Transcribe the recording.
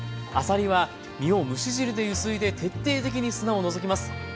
あさりは身を蒸し汁でゆすいで徹底的に砂を除きます。